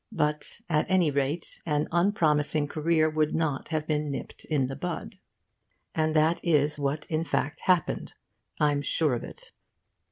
But at any rate an unpromising career would not have been nipped in the bud. And that is what in fact happened, I'm sure of it.